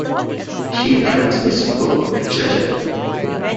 She finds Miss Pope a treasure.